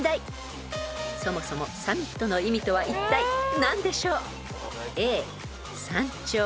［そもそもサミットの意味とはいったい何でしょう］